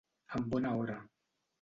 En bona hora.